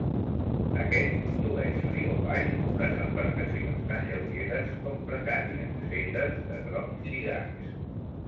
Aquest condueix, riu avall, unes embarcacions tan lleugeres com precàries, fetes de troncs lligats.